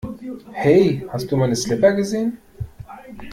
Hey, hast du meine Slipper gesehen?